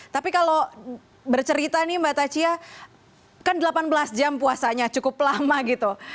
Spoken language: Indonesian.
tapi kalau bercerita nih mbak tachia kan delapan belas jam puasanya cukup lama gitu